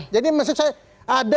jadi maksud saya ada